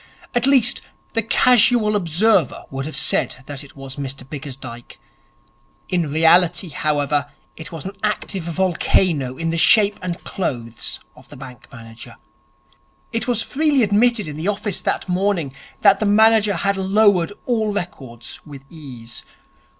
At least, the casual observer would have said that it was Mr Bickersdyke. In reality, however, it was an active volcano in the shape and clothes of the bank manager. It was freely admitted in the office that morning that the manager had lowered all records with ease.